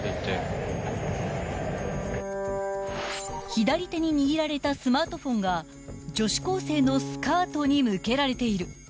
［左手に握られたスマートフォンが女子高生のスカートに向けられている］